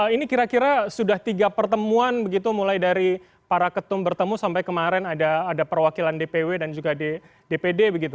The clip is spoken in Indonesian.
ini kira kira sudah tiga pertemuan begitu mulai dari para ketum bertemu sampai kemarin ada perwakilan dpw dan juga dpd begitu